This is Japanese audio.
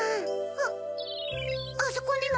あっあそこにも。